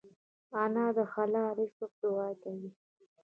انا د حلال رزق دعا کوي